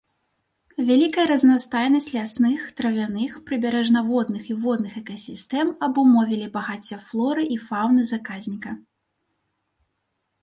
Вялікая разнастайнасць лясных, травяных, прыбярэжна-водных і водных экасістэм абумовілі багацце флоры і фаўны заказніка.